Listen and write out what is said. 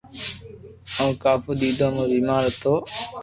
او ڪافو دينو مون بيمار ھتو